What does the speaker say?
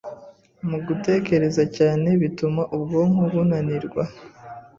mu gutekereza cyane bigatuma ubwonko bunanirwa